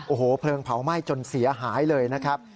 โอ้โหเพลิงเผาไหม้จนเสียหายเลยนะครับ